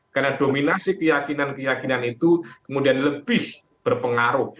karena dominasi keyakinan keyakinan itu kemudian lebih berpengaruh